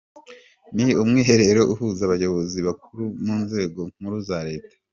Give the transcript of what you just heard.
Ni umwiherero uhuza abayobozi bakuru mu nzego nkuru za Leta.